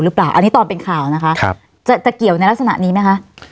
หรือเปล่าอันนี้ตอนเป็นข่าวนะคะจะจะเกี่ยวในลักษณะนี้ไหมคะ